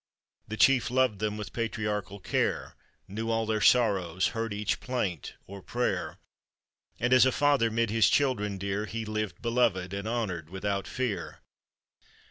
The chief loved them with patriarchal care, Knew all their sorrows, heard each plaint or prayer, And, as a father 'mid his children dear, He lived beloved, and honored without fear.